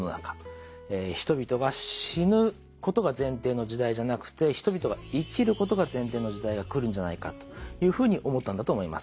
人々が死ぬことが前提の時代じゃなくて人々が生きることが前提の時代が来るんじゃないかというふうに思ったんだと思います。